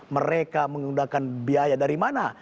mereka menggunakan biaya dari mana